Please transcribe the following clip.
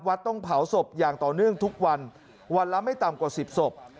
ต้องเผาศพอย่างต่อเนื่องทุกวันวันละไม่ต่ำกว่า๑๐ศพ